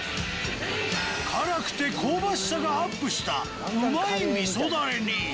辛くて香ばしさがアップしたうまい味噌ダレに！